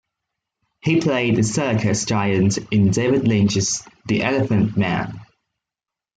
He played the circus giant in David Lynch's "The Elephant Man".